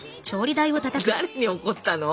誰に怒ったの？